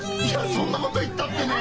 そんなこと言ったってね！